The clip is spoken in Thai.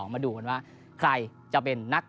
มาดูกันว่าใครจะเป็นนัก